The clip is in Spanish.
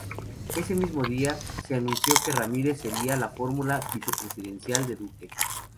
Ese mismo día se anunció que Ramírez sería la fórmula vicepresidencial de Duque.